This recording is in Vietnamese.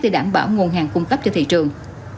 để đảm bảo nguồn hàng cung cấp cho thị trường